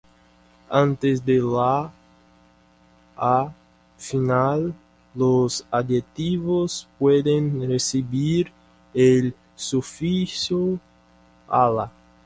Antes de la -"a" final, los adjetivos pueden recibir el sufijo "-"ala"".